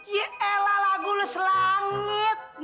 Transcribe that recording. ye elah lagu lu selangit